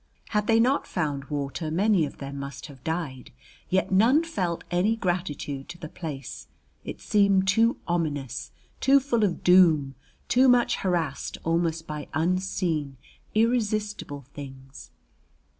Had they not found water many of them must have died, yet none felt any gratitude to the place, it seemed too ominous, too full of doom, too much harassed almost by unseen, irresistible things.